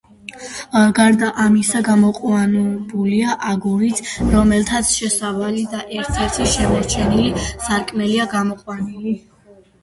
გარდა ამისა, გამოყენებულია აგურიც, რომლითაც შესასვლელი და ერთ-ერთი შემორჩენილი სარკმელია გამოყვანილი.